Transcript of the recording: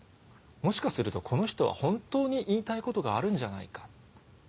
もしかするとこの人は本当に言いたいことがあるんじゃないか。